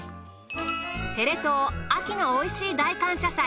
テレ東秋のおいしい大感謝祭。